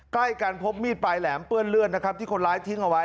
ใกล้กันพบมีดปลายแหลมเปื้อนเลือดนะครับที่คนร้ายทิ้งเอาไว้